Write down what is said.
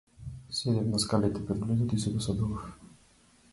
Седев на скалите пред влезот и се досадував.